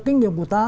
kinh nghiệm của ta